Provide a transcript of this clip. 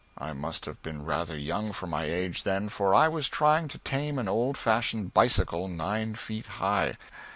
I must have been rather young for my age then, for I was trying to tame an old fashioned bicycle nine feet high.